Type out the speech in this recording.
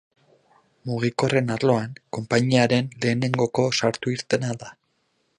Mugikorren arloan konpainiaren lehenengoko sartu-irtena da.